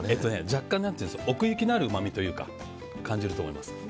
若干、奥行きのあるうまみを感じると思います。